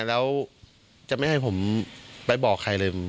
แล้วจะไม่ให้ผมไปบอกใครเลย